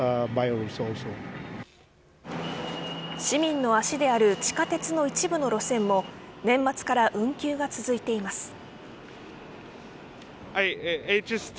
市民の足である地下鉄の一部の路線も年末から運休が続いています。